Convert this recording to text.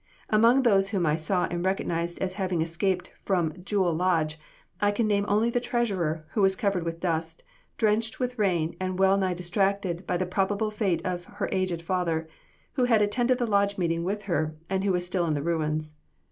Among those whom I saw and recognized as having escaped from Jewel lodge I can name only the treasurer, who was covered with dust, drenched with rain and well nigh distracted by the probable fate of her aged father, who had attended the lodge meeting with her and who was still in the ruins.